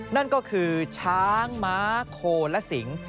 นั่นก็คือช้างม้าโคและสิง